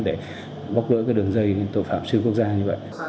để bóc lưỡi đường dây tội phạm xuyên quốc gia như vậy